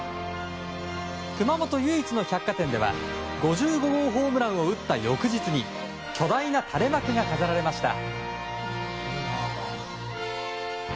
熊本唯一の百貨店では５５号ホームランを打った翌日に巨大な垂れ幕が飾られました。